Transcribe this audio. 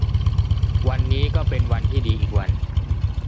วันนี้ก็เป็นวันที่ดีอีกวัน